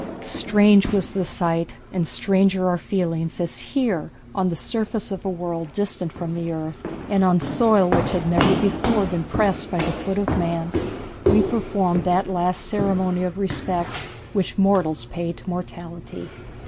Strange was the sight, and stranger our feelings, as here on the surface of a world distant from the earth, and on soil which had never before been pressed by the foot of man, we performed that last ceremony of respect which mortals pay to mortality.